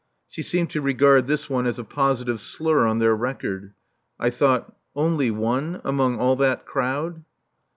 She seemed to regard this one as a positive slur on their record. I thought: "Only one among all that crowd!"